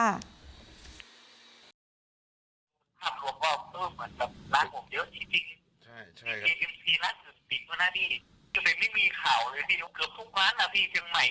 มีการกินเหล้าแก้วเดียวกันหรือว่าอะไรแบบแบบเนี้ยมีไหมครับบอกว่าน่าจะมีบ้างที